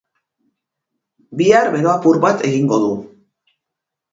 Bihar bero apur bat egingo du.